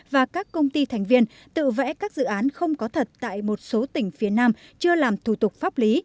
và các công ty thành viên tự vẽ các dự án không có thật tại một số tỉnh phía nam chưa làm thủ tục pháp lý